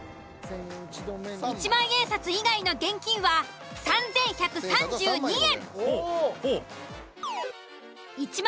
１万円札以外の現金は３，１３２円。